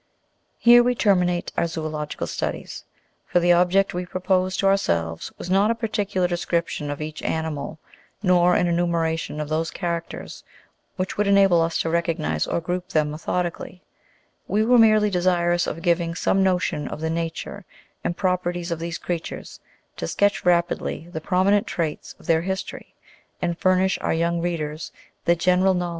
Here we terminate our zoological studies : for the object we proposed to ourselves was not a particular description of each animal, nor an enumeration of those characters which would enable us to recognise or group them methodically; we were merely desirous of giving some notion of the nature and proper ties of th63se creatures, to sketch rapidly the prominent traits of their history, and furnish our young readers the general know